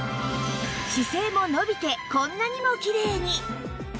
姿勢も伸びてこんなにもきれいに！